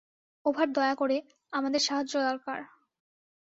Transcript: Over দয়া করে, আমাদের সাহায্য দরকার।